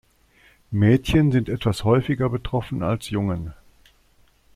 Mädchen sind etwas häufiger betroffen als Jungen.